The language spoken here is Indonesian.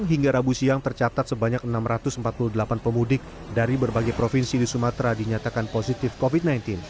hingga rabu siang tercatat sebanyak enam ratus empat puluh delapan pemudik dari berbagai provinsi di sumatera dinyatakan positif covid sembilan belas